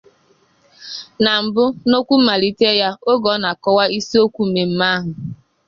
Na mbụ n'okwu mmalite ya oge ọ na-akọwa isiokwu mmemme ahụ